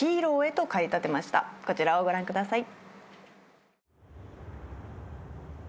こちらをご覧ください。